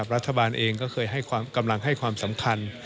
รัฐบาลเองก็เคยให้กำลังให้ความสำคัญ